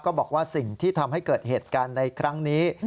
บอกว่าสิ่งที่ทำให้เกิดเหตุการณ์ในครั้งนี้